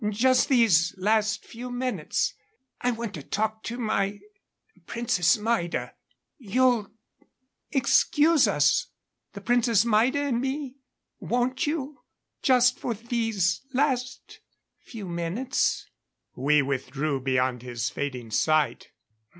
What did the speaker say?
Just these last few minutes I want to talk to my Princess Maida. You'll excuse us the Princess Maida and me won't you? Just for these last few minutes?" We withdrew beyond his fading sight.